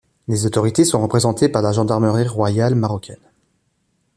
Les autorités sont représentées par la gendarmerie royale marocaine.